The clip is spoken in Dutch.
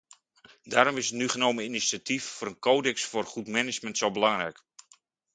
Daarom is het nu genomen initiatief voor een codex voor goed management zo belangrijk.